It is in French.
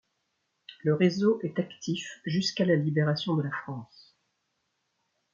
Le réseau est actif jusqu'à la libération de la France.